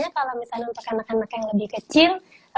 kalau misalnya untuk anak anak yang lebih kecil